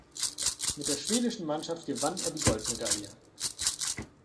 Mit der schwedischen Mannschaft gewann er die Goldmedaille.